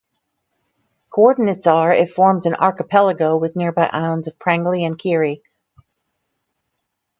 Coordinates are It forms an archipelago with nearby islands of Prangli and Keri.